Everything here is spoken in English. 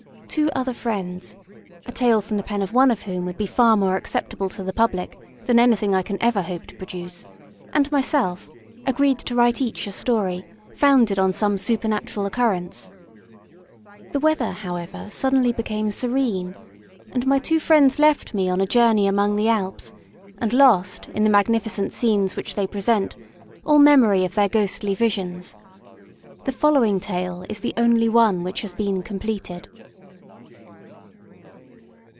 Two other friends (a tale from the pen of one of whom would be far more acceptable to the public than any thing I can ever hope to produce) and myself agreed to write each a story founded on some supernatural occurrence. The weather, however, suddenly became serene; and my two friends left me on a journey among the Alps, and lost, in the magnificent scenes which they present, all memory of their ghostly visions. The following tale is the only one which has been completed.